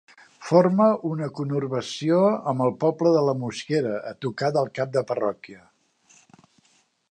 Forma una conurbació amb el poble de La Mosquera, a tocar del cap de parròquia.